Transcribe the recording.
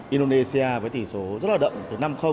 indonesia với tỷ số rất là đậm từ năm